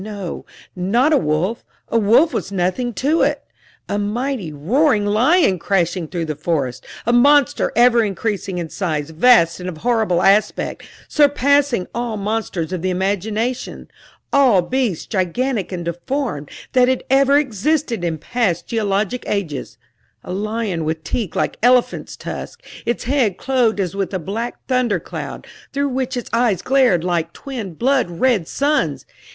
No, not a wolf a wolf was nothing to it! A mighty, roaring lion crashing through the forest; a monster ever increasing in size, vast and of horrible aspect, surpassing all monsters of the imagination all beasts, gigantic and deformed, that had ever existed in past geologic ages; a lion with teeth like elephants' tusks, its head clothed as with a black thunder cloud, through which its eyes glared like twin, blood red suns!